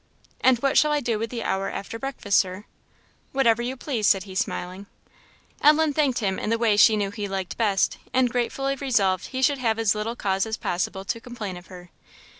"And what shall I do with the hour after breakfast, Sir?" "Whatever you please," said he, smiling. Ellen thanked him in the way she knew he best liked, and gratefully resolved he should have as little cause as possible to complain of her.